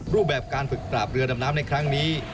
รูปแบบการฝึกปราบเรือดำน้ำในครั้งนี้